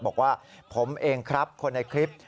บอกว่าผมเองครับคนในคลิป